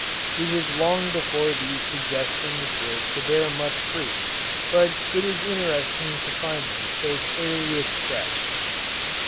It was long before these suggestions were to bear much fruit, but it is interesting to find them so clearly expressed.